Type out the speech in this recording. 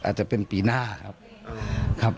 อาจจะเป็นปีหน้าครับ